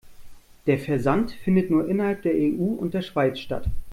Der Versand findet nur innerhalb der EU und der Schweiz statt.